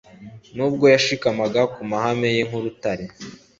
Nubwo yashikamaga ku mahame ye nk'urutare,